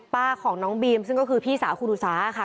พ่อของน้องบีมก็คือพี่สาวขุนุษาค่ะ